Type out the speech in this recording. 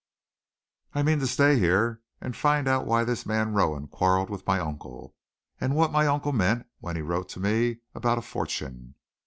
I mean to stay here and find out why this man Rowan quarrelled with my uncle, and what my uncle meant when he wrote to me about a fortune.